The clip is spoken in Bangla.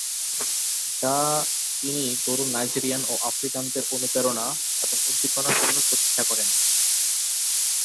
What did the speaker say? যা তিনি তরুণ নাইজেরিয়ান ও আফ্রিকানদের অনুপ্রেরণা এবং উদ্দীপনার জন্য প্রতিষ্ঠা করেন।